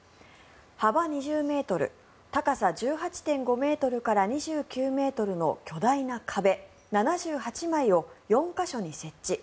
幅２０ｍ高さ１８．５ｍから２９ｍの巨大な壁７８枚を４か所に設置。